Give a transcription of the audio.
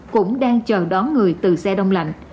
cũng đang chờ đón người từ xe đông lạnh